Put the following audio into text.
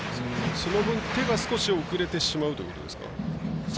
その分、手が少し遅れてしまうということですか。